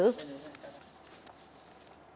trong quá trình